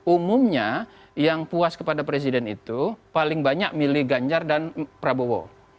umumnya yang puas kepada presiden itu paling banyak milih ganjar dan prabowo